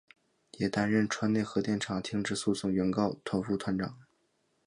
也担任川内核电厂差止诉讼原告团副团长。